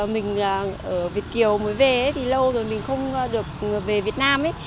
mình ở việt kiều mới về thì lâu rồi mình không được về việt nam ấy